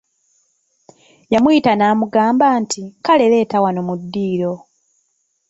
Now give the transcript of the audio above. Yamuyita n'amugamba nti"kale leeta wano mu ddiiro"